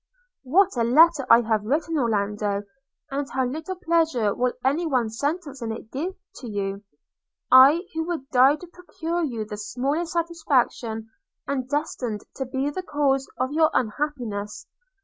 'What a letter have I written, Orlando! and how little pleasure will any one sentence in it give to you! I, who would die to procure you the smallest satisfaction, am destined to be the cause of your unhappiness.